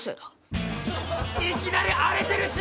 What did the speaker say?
いきなり荒れてるし。